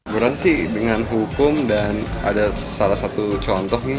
berarti sih dengan hukum dan ada salah satu contoh nih